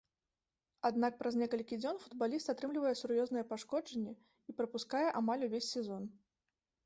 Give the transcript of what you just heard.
Аднак праз некалькі дзён футбаліст атрымлівае сур'ёзнае пашкоджанне і прапускае амаль увесь сезон.